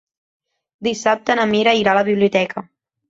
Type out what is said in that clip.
Dissabte na Mira irà a la biblioteca.